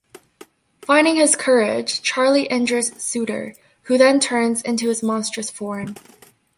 Finding his courage, Charlie injures Suitor, who then turns into his monstrous form.